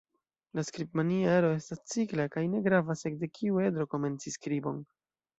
La skribmaniero estas cikla kaj ne gravas ekde kiu edro komenci skribon.